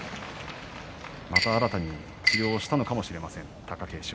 また、新たに治療したのかもしれません。